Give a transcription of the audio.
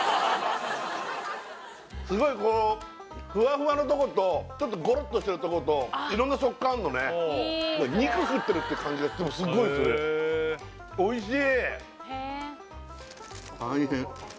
すごいこうふわふわのとことちょっとごろっとしてるとこと色んな食感あんのね肉食ってるって感じがすごいするおいしい！